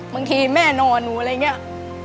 บางทีแม่นอนหนูอะไรแนี้ย